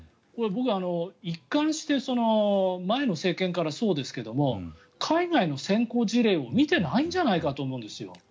これ、僕、一貫して前の政権からそうですけど海外の先行事例を見ていないんじゃないかと思うんですよ。